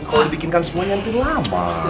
kalau dibikinkan semuanya mungkin lama